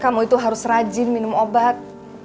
kamu itu harus rajin minum obat